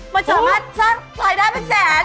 มันสามารถสร้างรายได้เป็นแสน